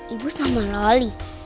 ibu sama loli